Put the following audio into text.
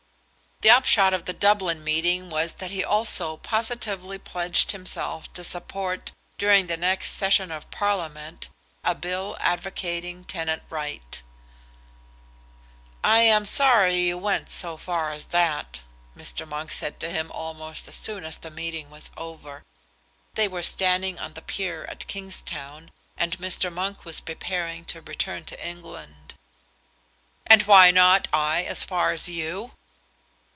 The upshot of the Dublin meeting was that he also positively pledged himself to support during the next session of Parliament a bill advocating tenant right. "I am sorry you went so far as that," Mr. Monk said to him almost as soon as the meeting was over. They were standing on the pier at Kingstown, and Mr. Monk was preparing to return to England. "And why not I as far as you?"